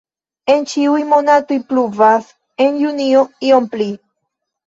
En ĉiuj monatoj pluvas, en julio iom pli.